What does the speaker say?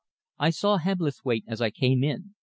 I saw Hebblethwaite as I came in.